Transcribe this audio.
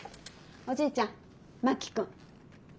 おじいちゃん真木君。